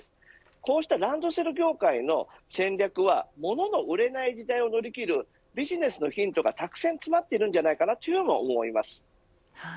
こうしたランドセル業界の戦略はものの売れない時代を乗り切るビジネスのヒントがたくさん詰まっているんじゃないかというふうに思います。